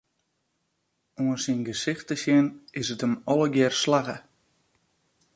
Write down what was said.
Oan syn gesicht te sjen, is it him allegear slagge.